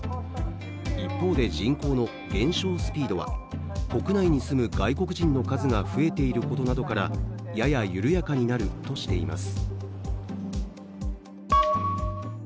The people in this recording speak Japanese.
一方で、人口の減少スピードは国内に住む外国人の数が増えていることなどから、やや緩やかになるとしています。